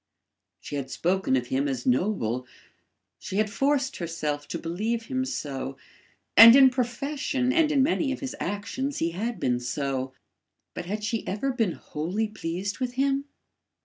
She had spoken of him as noble; she had forced herself to believe him so, and in profession and in many of his actions he had been so, but had she ever been wholly pleased with him?